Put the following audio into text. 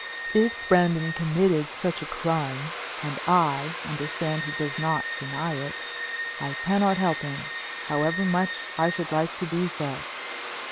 If Brandon committed such a crime, and, I understand he does not deny it, I cannot help him, however much I should like to do so.